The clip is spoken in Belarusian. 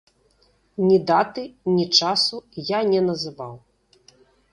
Ні даты, ні часу я не называў.